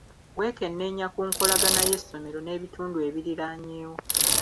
Wekennenya ku nkolagana y'essomero n'ebitundu ebiriraanyeewo.